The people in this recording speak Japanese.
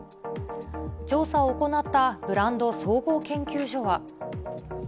調査を行ったブランド総合研究所は。